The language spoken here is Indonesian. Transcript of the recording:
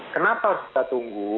kenapa harus kita tunggu